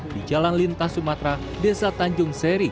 di jalan lintas sumatera desa tanjung seri